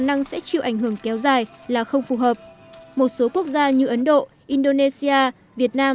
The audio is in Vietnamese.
năng sẽ chịu ảnh hưởng kéo dài là không phù hợp một số quốc gia như ấn độ indonesia việt nam